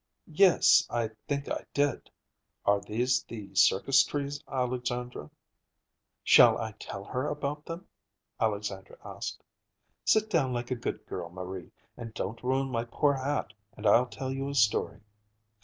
"Yes, I think I did. Are these the circus trees, Alexandra?" "Shall I tell her about them?" Alexandra asked. "Sit down like a good girl, Marie, and don't ruin my poor hat, and I'll tell you a story.